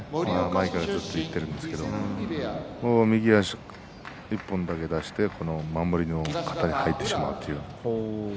毎回ずっと言っているんですけど右足１本だけ出して守りの型に入ってしまうという。